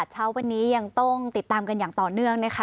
เช้าวันนี้ยังต้องติดตามกันอย่างต่อเนื่องนะคะ